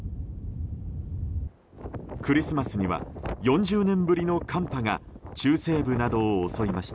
クリスマスには４０年ぶりの寒波が中西部などを襲いました。